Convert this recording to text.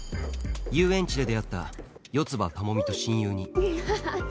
遊園地で出会った四葉朋美と親友にハハハ！